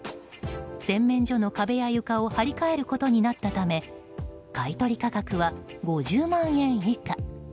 洗面所の壁や床を貼り替えることになったため買い取り価格は５０万円以下。